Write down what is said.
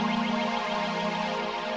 jangan lupa untuk mencoba